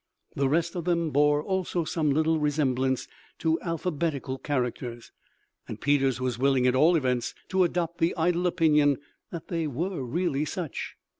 The rest of them bore also some little resemblance to alphabetical characters, and Peters was willing, at all events, to adopt the idle opinion that they were really such.